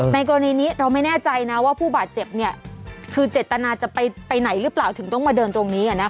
ในกรณีนี้เราไม่แน่ใจนะว่าผู้บาดเจ็บคือเจตนาจะไปไหนหรือเปล่าถึงต้องมาเดินตรงนี้